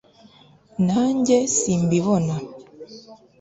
nanjye simbibona